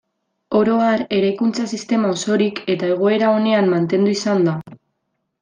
Oro har, eraikuntza-sistema osorik eta egoera onean mantendu izan da.